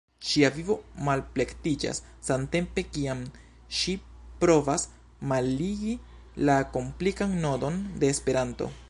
Ŝia vivo malplektiĝas samtempe kiam ŝi provas malligi la komplikan nodon de Esperanto.